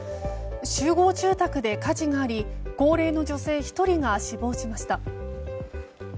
集合住宅で火事があり高齢の女性１人が死亡しました。